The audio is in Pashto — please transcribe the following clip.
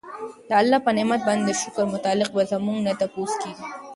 د الله په نعمت باندي د شکر متعلق به زمونږ نه تپوس کيږي